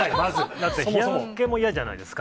だって、日焼けも嫌じゃないですか。